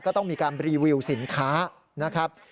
ก็ต้องมีการรีวิวสินค้านะครับ